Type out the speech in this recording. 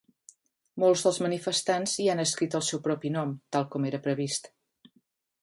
Molts dels manifestants hi han escrit el seu propi nom, tal com era previst.